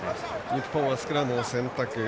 日本はスクラム選択。